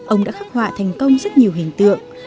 ông đã khắc họa thành công rất nhiều hình tượng